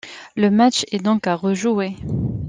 Le match est donc à rejouer.